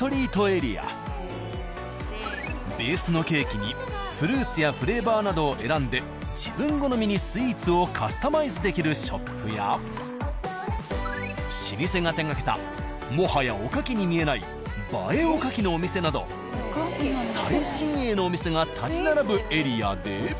ベースのケーキにフルーツやフレーバーなどを選んで自分好みにスイーツをカスタマイズできるショップや老舗が手がけたもはやおかきに見えない映えおかきのお店など最新鋭のお店が立ち並ぶエリアで。